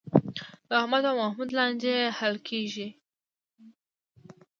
د احمد او محمود لانجه حل کېږي.